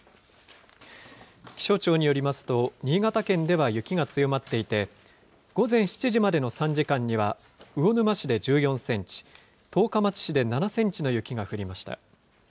気象庁によりますと、新潟県では雪が強まっていて、午前７時までの３時間には、魚沼市で１４センチ、十日町市で７センチの雪が降りました。